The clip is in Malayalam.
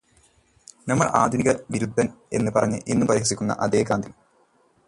നമ്മള് ആധുനികവിരുദ്ധന് എന്ന് പറഞ്ഞ് ഇന്നും പരിഹസിക്കുന്ന അതേ ഗാന്ധി.